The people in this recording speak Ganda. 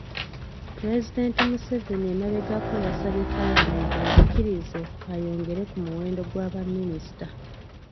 Pulezidenti Museveni emabegako yasabye Paalamenti emukkirize ayongere ku muwendo gwa baminisita.